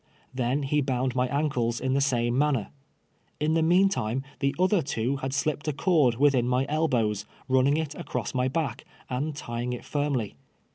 Then he bound my ankles in the same manner. In the meantime the other two had slipped a cord within my elbows, running it across my back, and tying it firm ly.